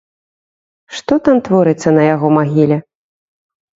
Што там творыцца на яго магіле!